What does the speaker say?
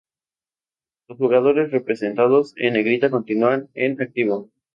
Los jugadores representados en negrita continúan en activo.